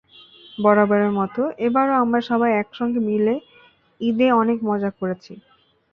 বরাবরের মতো এবারও আমরা সবাই একসঙ্গে মিলে ঈদে অনেক মজা করেছি।